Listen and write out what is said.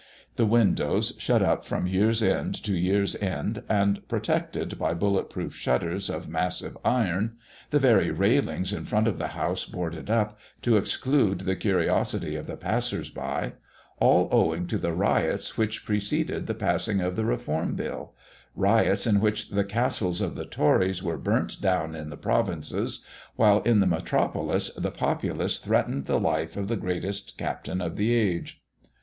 The windows, shut up from year's end to year's end, and protected by bullet proof shutters of massive iron the very railings in front of the house boarded up, to exclude the curiosity of the passers by all owing to the riots which preceded the passing of the Reform Bill riots in which the castles of the Tories were burnt down in the provinces, while in the metropolis the populace threatened the life of the greatest captain of the age.